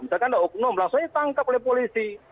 misalkan ada oknum langsung ditangkap oleh polisi